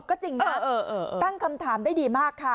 ก็จริงน่ะเออเออเออเออตั้งคำถามได้ดีมากค่ะ